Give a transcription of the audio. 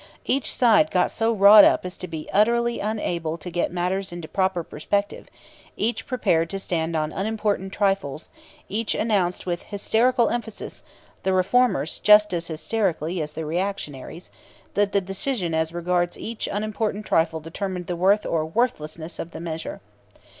Each side got so wrought up as to be utterly unable to get matters into proper perspective; each prepared to stand on unimportant trifles; each announced with hysterical emphasis the reformers just as hysterically as the reactionaries that the decision as regards each unimportant trifle determined the worth or worthlessness of the measure.